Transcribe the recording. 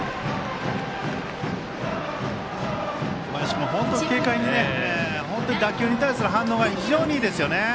小林君も本当に軽快に打球に対する反応が非常にいいですね。